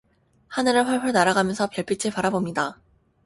하늘을 훨훨 날아가면서 별빛을 바라봅니다.